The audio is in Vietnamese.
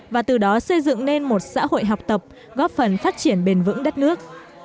và từ đó xây dựng nên một xã hội học tập góp phần phát triển bền vững đất nước